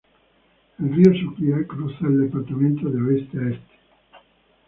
El río Suquía cruza el departamento, de oeste a este.